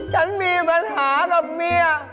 ฉันมีปัญหากับเมีย